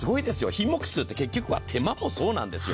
品目数って手間もそうなんですよ。